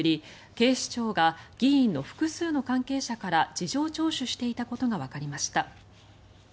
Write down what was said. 警視庁が議員の複数の関係者から事情聴取していたことがわかりました。